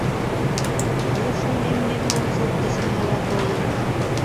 Кӧ, шонем, мемнан суртыш унала толын?